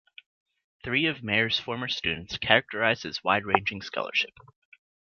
Three of Mair's former students characterize his wide-ranging scholarship.